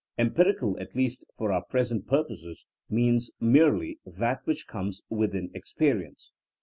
Empirical, at least for our present purposes, means merely that which comes within experience.